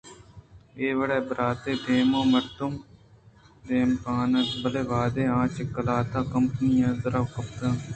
اے وڑیں براتے دیم ءَ مردم ءِ دیمپان اِنت بلئے وہدے آ چہ قلاتءِ کمپانءَ در کپیت